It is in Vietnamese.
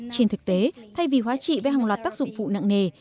trên thực tế thay vì hóa trị với hàng loạt tác dụng phụ nặng nề